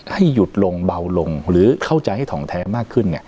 ให้หยุดลงเบาลงหรือเข้าใจให้ถ่องแท้มากขึ้น